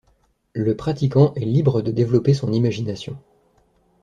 Le pratiquant est libre de développer son imagination.